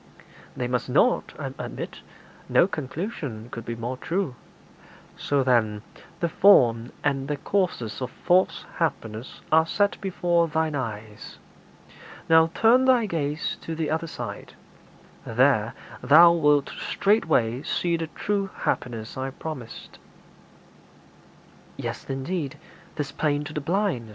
'They must not, I admit. No conclusion could be more true.' 'So, then, the form and the causes of false happiness are set before thine eyes. Now turn thy gaze to the other side; there thou wilt straightway see the true happiness I promised.' 'Yea, indeed, 'tis plain to the blind.'